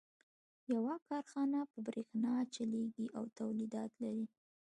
يوه کارخانه په برېښنا چلېږي او توليدات لري.